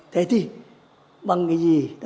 thế thì bằng cái gì